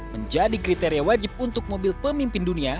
menjadi kriteria wajib untuk mobil pemimpin dunia